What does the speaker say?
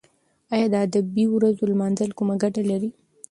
ایا د ادبي ورځو لمانځل کومه ګټه لري؟